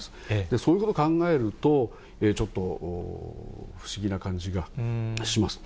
そういうことを考えると、ちょっと不思議な感じがします。